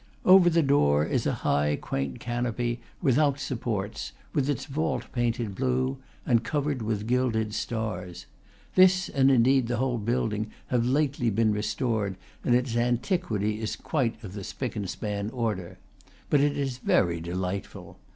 Over the door is a high, quaint canopy, without supports, with its vault painted blue and covered with gilded stars. (This, and indeed the whole build ing, have lately been restored, and its antiquity is quite of the spick and span order. But it is very delightful.)